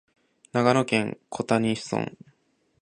長野県小谷村